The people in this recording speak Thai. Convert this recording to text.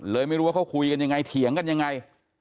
ไม่รู้ว่าเขาคุยกันยังไงเถียงกันยังไง